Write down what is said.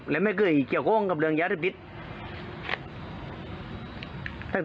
และไม่เคยเกี่ยวโค้งกับเรื่องยาเรียบทิศ